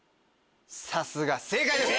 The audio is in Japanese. さすが正解です。